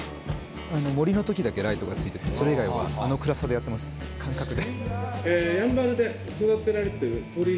盛りの時だけライトがついててそれ以外はあの暗さでやってます感覚で。